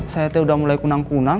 saya nek udah mulai kunang kunang